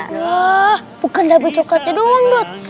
wah bukan double coklatnya doang dot